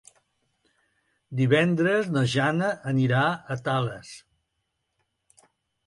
Divendres na Jana anirà a Tales.